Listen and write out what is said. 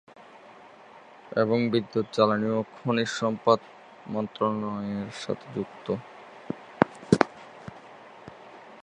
এবং বিদ্যুৎ, জ্বালানি ও খনিজ সম্পদ মন্ত্রণালয়ের সাথে যুক্ত।